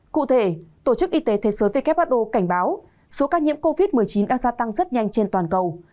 cụ thể tổ chức y tế thế giới who cảnh báo số ca nhiễm covid một mươi chín đã gia tăng rất nhanh trên toàn cầu